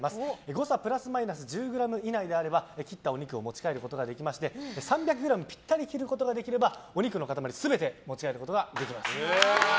誤差プラスマイナス１０ｇ以内であれば切ったお肉を持ち帰ることができまして３００ｇぴったり切ることができればお肉の塊全て持ち帰ることができます。